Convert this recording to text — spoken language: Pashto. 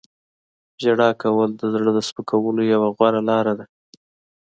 • ژړا کول د زړه د سپکولو یوه غوره لاره ده.